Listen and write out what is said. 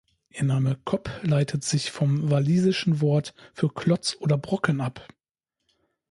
Ihr Name Cob leitet sich vom Walisischen Wort für Klotz oder Brocken ab.